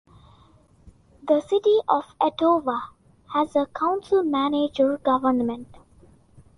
The City of Etowah has a council-manager government.